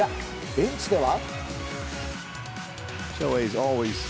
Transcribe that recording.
ベンチでは。